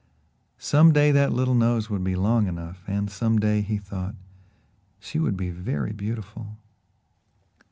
Some day that little nose would be long enough, and some day, he thought, she would be very beautiful.